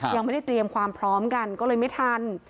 ยังไม่ได้เตรียมความพร้อมกันก็เลยไม่ทัน